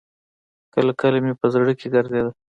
کله کله مې په زړه کښې ګرځېده.